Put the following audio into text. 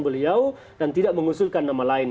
beliau dan tidak mengusulkan nama lain